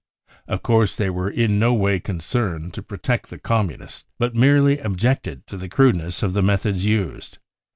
Of course they were in no way con I cerned to protect the Communists, but merely objected to the crudeness of the methods used.